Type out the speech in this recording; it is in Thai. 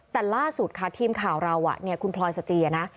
แต่ล่าสุดค่ะทีมข่าวเราเนี่ยคุณพลอยสเจียนะ